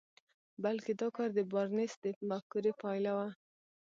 بلکې دا کار د بارنس د مفکورې پايله وه.